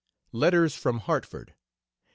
LETTERS FROM HARTFORD, 1875.